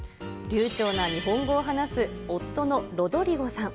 流ちょうな日本語を話す夫のロドリゴさん。